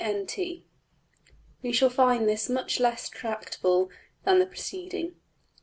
\end{DPgather*} We shall find this much less tractable than the preceding.